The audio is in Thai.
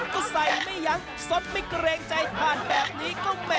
ก็ใส่ไม่ยั้งสดไม่เกรงใจถ่านแบบนี้ก็เป็น